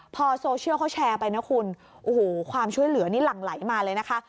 พอโซเชียลเขาแชร์ไปนะคุณโอ้โหความช่วยเหลือนี่หลั่งไหลมาเลยนะคะ